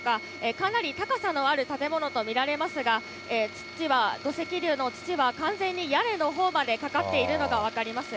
かなり高さのある建物と見られますが、土は、土石流の土は完全に屋根のほうまでかかっているのが分かります。